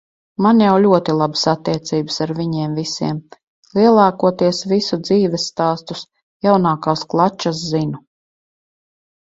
Man jau ļoti labas attiecības ar viņiem visiem. Lielākoties visu dzīvesstāstus, jaunākās klačas zinu.